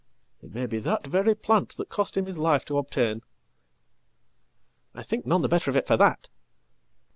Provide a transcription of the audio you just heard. It may be that very plant that cost him his life toobtain.""I think none the better of it for that.""